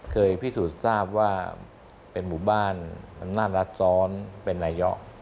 เคยพิสูจน์ทราบว่าเป็นหมู่บ้านภรรนาศจรเป็นนายอ